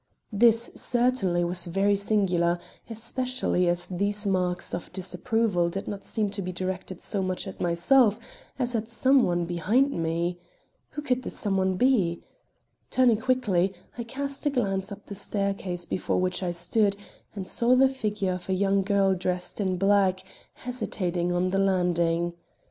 This certainly was very singular, especially as these marks of disapproval did not seem to be directed so much at myself as at some one behind me. Who could this some one be? Turning quickly, I cast a glance up the staircase before which I stood and saw the figure of a young girl dressed in black hesitating on the landing.